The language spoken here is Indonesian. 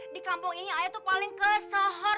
di kampung ini ayah tuh paling kesohor